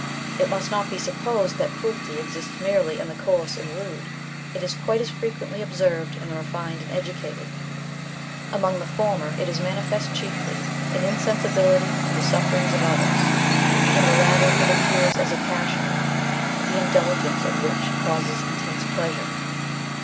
^v It must not be supposed that cruelty exists merely in the coarse and rude ; it is quite as frequently observed in the refined and educated. Among the former it is ♦ Doctrine of the Mind, p. 168. 138 THE BOOK OF WERE WOLVES. manifest chiefly in insensibility to the sufferings of others ; in the latter it appears as a passion, the indul gence of which causes intense pleasure.